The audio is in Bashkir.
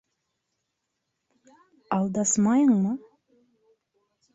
Алдасмайыңмы?